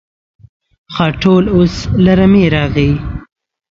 خاټول اوس له رمې راغی.